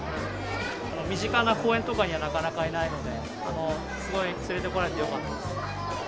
身近な公園とかには、なかなかいないので、すごい連れてこられてよかったです。